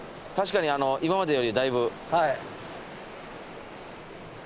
確かに今までよりはだいぶ。